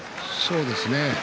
そうですね。